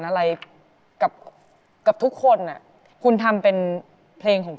หัวใจอาวาง